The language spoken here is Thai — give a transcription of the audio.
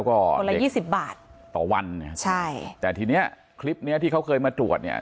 กลับให้เด็กเดี๋ยวเขามีกำหนังใกล้มา